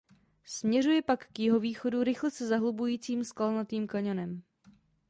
Směřuje pak k jihovýchodu rychle se zahlubujícím skalnatým kaňonem.